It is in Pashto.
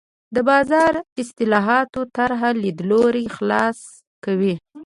د بازار اصلاحاتو طراح لیدلوری خلاصه کوي.